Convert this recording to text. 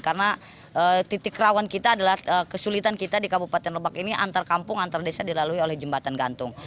karena titik rawan kita adalah kesulitan kita di kabupaten lebak ini antar kampung antar desa dilalui oleh jembatan gantung